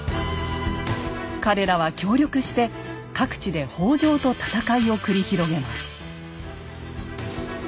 彼らは協力して各地で北条と戦いを繰り広げます。